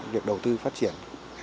việc đầu tư phát triển